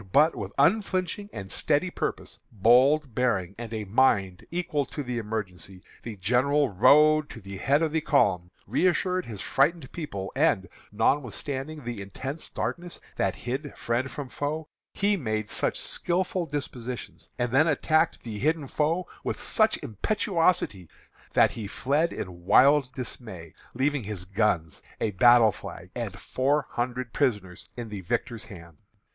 "But with unflinching and steady purpose, bold bearing, and a mind equal to the emergency, the general rode to the head of the column, reassured his frightened people, and, notwithstanding the intense darkness that hid friend from foe, made such skilful dispositions, and then attacked the hidden foe with such impetuosity that he fled in wild dismay, leaving his guns, a battle flag, and four hundred prisoners in the victor's hands.